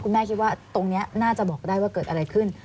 แม่คิดว่าตรงนี้น่าจะบอกได้ว่าเกิดอะไรขึ้น